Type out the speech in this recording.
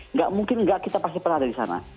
nggak mungkin nggak kita pasti pernah ada di sana